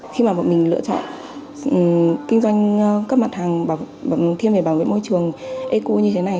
khi mà bọn mình lựa chọn kinh doanh các mặt hàng thiêng về bảo vệ môi trường eco như thế này